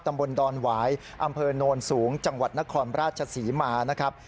ตำบลดอนหวายอำเภอโนนสูงจังหวัดนครราชศรีมานะครับ